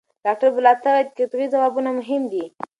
ډاکټر بالاتا وايي قطعي ځوابونه مهم دي.